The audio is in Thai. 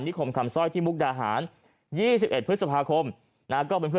นิคมคำซอยที่มกดาหารยี่สิบเอ็ดพฤษพาคมนะฮะ